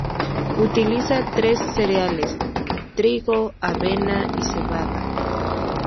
Utiliza tres cereales: trigo, avena y cebada.